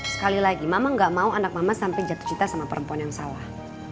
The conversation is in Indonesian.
sekali lagi mama gak mau anak mama sampai jatuh cinta sama perempuan yang salah